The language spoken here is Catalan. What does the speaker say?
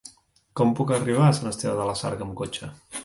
Com puc arribar a Sant Esteve de la Sarga amb cotxe?